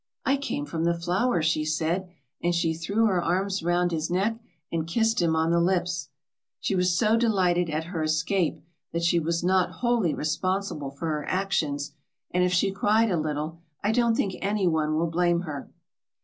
"I came from the flower," she said; and she threw her arms round his neck and kissed him on the lips. She was so delighted at her escape that she was not wholly responsible for her actions; and if she cried a little, I don't think any one will blame her.